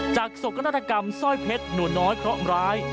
จากสกรรตกรรมสร้อยเพชรหน่วยน้อยเคราะห์อำราย